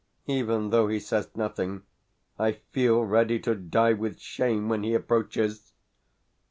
Even though he says nothing, I feel ready to die with shame when he approaches.